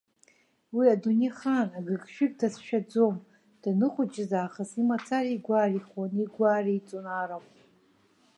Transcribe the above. Уи адунеихаан агыгшәыг дацәшәаӡом, даныхәыҷыз аахыс имацара игәарихуан, игәареиҵон арахә.